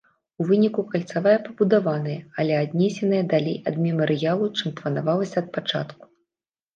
У выніку кальцавая пабудаваная, але аднесеная далей ад мемарыялу, чым планавалася ад пачатку.